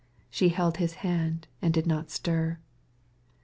She held his hand, and did not stir.